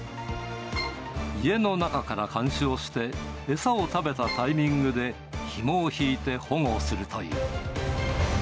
家の中から監視をして、餌を食べたタイミングで、ひもを引いて保護するという。